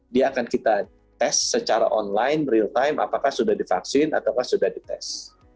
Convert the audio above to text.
dia akan kita tes secara online real time apakah sudah divaksin atau sudah dites